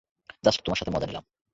Just তোমার সাথে মজা নিলাম।